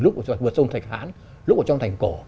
lúc vượt sông thạch hán lúc ở trong thành cổ